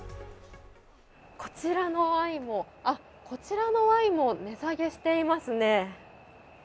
こちらのワインも、あっ、こちらのワインも値下げしていますね。